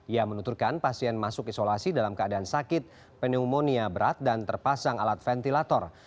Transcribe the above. ia menuturkan pasien masuk isolasi dalam keadaan sakit pneumonia berat dan terpasang alat ventilator